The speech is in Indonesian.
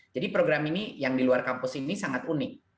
program ini yang di luar kampus ini sangat unik